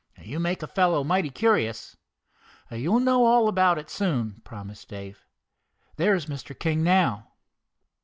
"You make a fellow mighty curious." "You will know all about it soon," promised Dave. "There is Mr. King now."